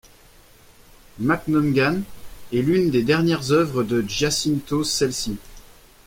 Maknongan est l'une des dernières œuvres de Giacinto Scelsi.